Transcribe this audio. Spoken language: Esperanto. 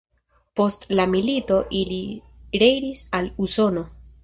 Post la milito ili reiris al Usono.